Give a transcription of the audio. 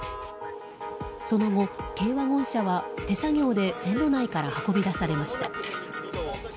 その後、軽ワゴン車は手作業で線路内から運び出されました。